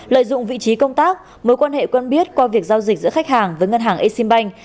lợi dụng vị trí công tác mối quan hệ quen biết qua việc giao dịch giữa khách hàng với ngân hàng exim bank